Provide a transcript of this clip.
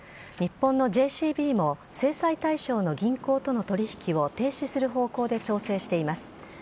日本のＪＣＢも、制裁対象との銀行との取り引きを停止する方向で調整しています。